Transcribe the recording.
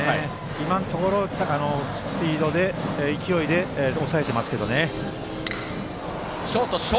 今のところ、勢いで抑えていますけどね。